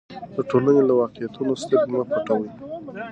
د ټولنې له واقعیتونو سترګې مه پټوئ.